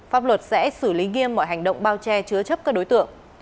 pháp luật sẽ xử lý nghiêm mọi hành động bao che chứa chấp các đối tượng